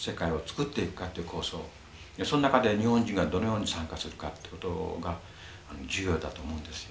その中で日本人がどのように参加するかってことが重要だと思うんですよ。